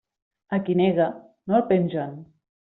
A qui nega, no el pengen.